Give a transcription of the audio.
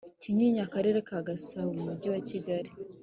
Kinyinya Akarere ka Gasabo mu Mujyi wa Kigali